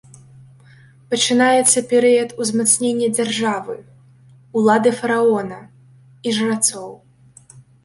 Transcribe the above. Пачынаецца перыяд узмацнення дзяржавы, улады фараона і жрацоў.